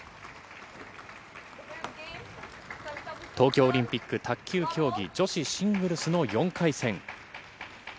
東京オリンピック卓球競技女子シングルスの４回戦。